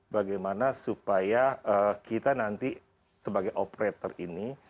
bagaimana supaya kita nanti sebagai operator ini